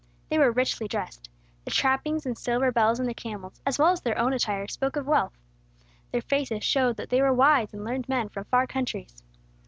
They were richly dressed. The trappings and silver bells on their camels, as well as their own attire, spoke of wealth. Their faces showed that they were wise and learned men from far countries.